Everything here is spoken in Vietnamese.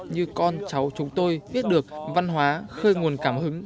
như con cháu chúng tôi biết được văn hóa khơi nguồn cảm hứng